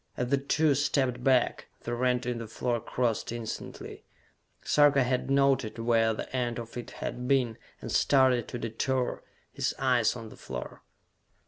As the two stepped back, the rent in the floor closed instantly. Sarka had noted where the end of it had been, and started to detour, his eyes on the floor.